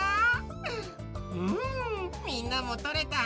うんみんなもとれたんだね！